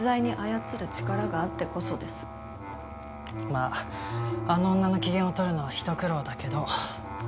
まああの女の機嫌を取るのはひと苦労だけど。